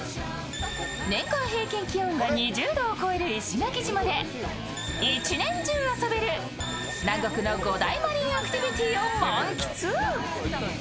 年間平均気温が２０度を超える石垣島で１年中遊べる南国の５大マリンアクティビティーを満喫。